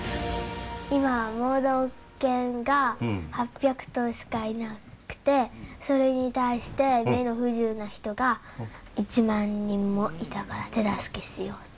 今、盲導犬が８００頭しかいなくて、それに対して目の不自由な人が１万人もいたから手助けしようと。